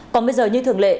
còn bây giờ như thường lệ